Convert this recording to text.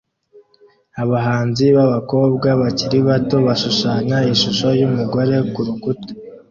Abahanzi b'abakobwa bakiri bato bashushanya ishusho y'umugore kurukuta